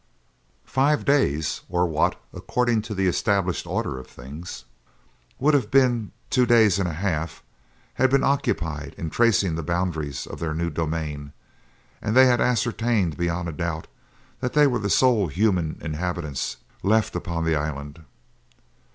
Five days, or what, according to the established order of things, would have been two days and a half, had been occupied in tracing the boundaries of their new domain; and they had ascertained beyond a doubt that they were the sole human inhabitants left upon the island.